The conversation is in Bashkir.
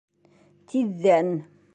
Тиҙҙән